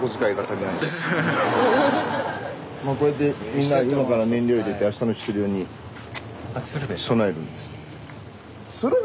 こうやってみんな今から燃料入れてあしたの出漁に備えるんです。